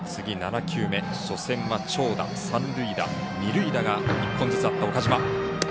初戦は長打、三塁打二塁打が１本ずつあった岡島。